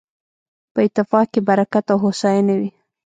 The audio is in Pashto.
په اتفاق کې برکت او هوساينه وي